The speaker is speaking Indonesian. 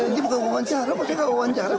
ini bukan mewawancara pak ini nggak mewawancara pak